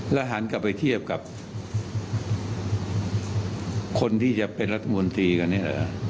และหันกลับไปเทียบกับคนที่จะเป็นรัฐบุญธีกันนี้